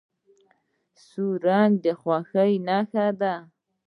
سور رنګ د خوښۍ نښه ده.